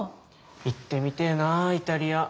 行ってみてえなイタリア。